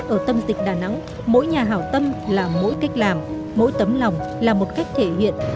ở tâm dịch đà nẵng mỗi nhà hảo tâm là mỗi cách làm mỗi tấm lòng là một cách thể hiện